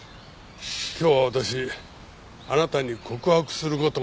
今日は私あなたに告白する事があります。